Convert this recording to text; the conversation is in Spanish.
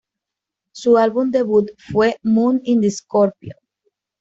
Su álbum debut fue Moon In The Scorpio.